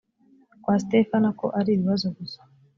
kwa sitefana ko ari ibibazogusa.